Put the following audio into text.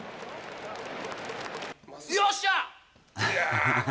よっしゃっ！